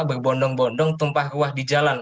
berbondong bondong tumpah ruah di jalan